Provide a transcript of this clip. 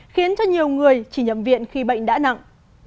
khiến cho nhiều người chỉ nhầm viện khi bệnh đã nặng